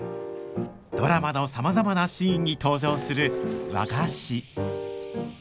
ドラマのさまざまなシーンに登場する和菓子。